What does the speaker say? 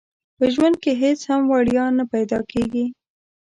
په ژوند کې هيڅ هم وړيا نه پيدا کيږي.